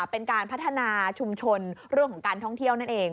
เป็นการพัฒนาชุมชนเรื่องของการท่องเที่ยวนั่นเอง